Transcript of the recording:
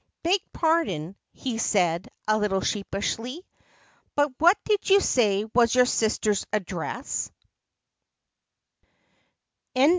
"Beg pardon," he said, a little sheepishly, "but what did you say was your sister's address